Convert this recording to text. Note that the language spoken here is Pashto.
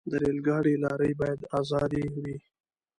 د ریل ګاډي لارې باید آزادې وي.